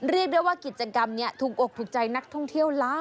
เรียกได้ว่ากิจกรรมนี้ถูกอกถูกใจนักท่องเที่ยวล้าน